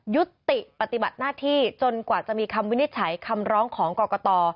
ยุติปฏิบัติหน้าที่จนกว่าจะมีคำวินิจฉัยคำร้องของกรกต